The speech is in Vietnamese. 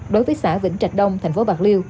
đối với xã vĩnh trạch đông tp bạc liêu